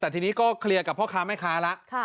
แต่ทีนี้ก็เคลียร์กับพ่อค้าแม่ค้าแล้ว